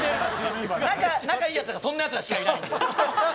仲いいヤツがそんなヤツらしかいないんで。